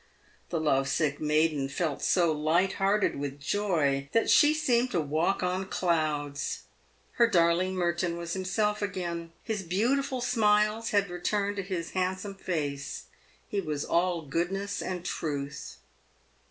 The love sick maiden felt so light hearted with joy that she seemed to walk on clouds. Her darling Merton was himself again. His beautiful smiles had returned to his handsome face. He was all goodness and truth.